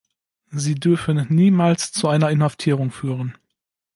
Sie dürfen niemals zu einer Inhaftierung führen.